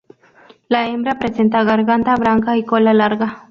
La hembra presenta garganta branca y cola larga.